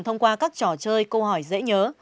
thông qua các trò chơi câu hỏi dễ nhớ